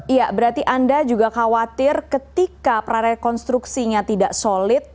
iya berarti anda juga khawatir ketika prarekonstruksinya tidak solid